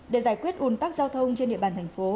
để giải quyết un tắc giao thông trên địa bàn thành phố